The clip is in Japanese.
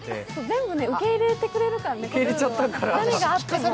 全部受け入れてくれるからね、何があっても。